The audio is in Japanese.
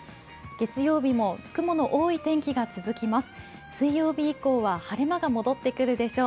月曜日も雲の多い天気が続きます。